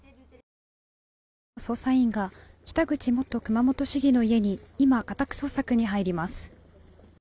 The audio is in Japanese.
捜査員が北口元熊本市議の家に今、家宅捜索に入ります。